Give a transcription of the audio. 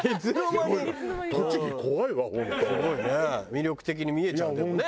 魅力的に見えちゃうでもね。